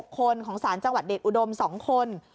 คนของสารจังหวัดเดชอุดม๒คน